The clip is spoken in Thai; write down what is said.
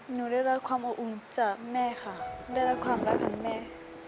หนูได้รับความอบอุ่นจากแม่ค่ะได้รับความรักทั้งแม่